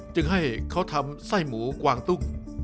จึงให้เขาทำไส้หมูกวางตุ้ง